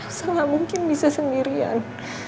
elsa gak mungkin bisa sendirian